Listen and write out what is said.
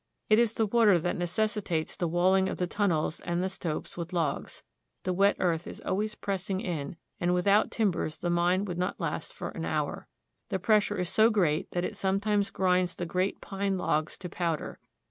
It is the water that necessitates the wall ing of the tunnels and the stopes with logs. The wet earth is al ways pressing in, and without timbers the mine would not last for an hour. The pressure is so great that it sometimes grinds the great pine logs to powder.